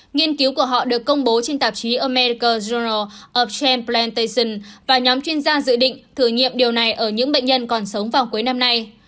nghiên cứu của họ được công bố trên tạp chí american journal of transplantation và nhóm chuyên gia dự định thử nghiệm điều này ở những bệnh nhân còn sống vào cuối năm nay